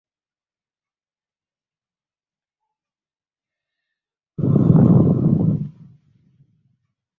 Bellarmine বিশ্ববিদ্যালয় সাবেক camp টেইলরের একটি অংশ।